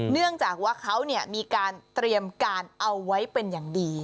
เนื่องจากว่าเขามีการเตรียมการเอาไว้เป็นอย่างดี